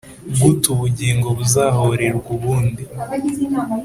Gut ubugingo buzahorerwe ubundi